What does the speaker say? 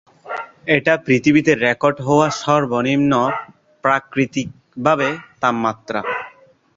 এটি পৃথিবীতে রেকর্ড হওয়া সর্বনিম্ন প্রাকৃতিকভাবে তাপমাত্রা।